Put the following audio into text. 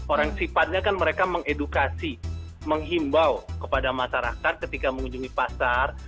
orang sifatnya kan mereka mengedukasi menghimbau kepada masyarakat ketika mengunjungi pasar